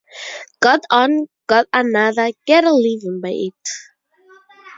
Got on, got another, get a living by it!